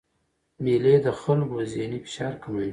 مېلې د خلکو ذهني فشار کموي.